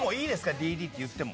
ＤＤって言っても。